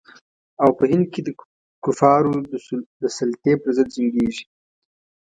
او په هند کې د کفارو د سلطې پر ضد جنګیږي.